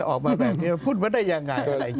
ออกมาแบบนี้พูดมาได้ยังไง